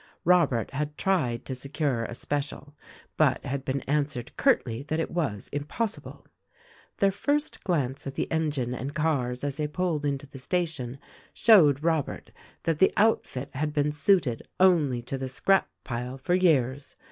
Robert had tried to secure a special, but had been answered curtly that it was impossible. Their first glance at the engine and cars as they pulled into the station showed Robert that the outfit had been suited only to the scrap pile for years.